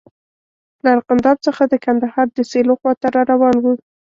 له ارغنداب څخه د کندهار د سیلو خواته را روان وو.